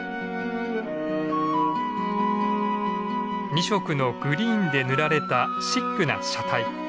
２色のグリーンで塗られたシックな車体。